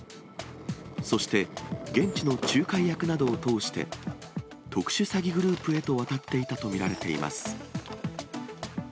そして、現地の仲介役などを通して、特殊詐欺グループへと渡っていたと見られています。